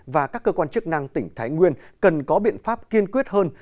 và các cơ quan chức năng tỉnh thái nguyên cần có biện pháp kiên quyết hơn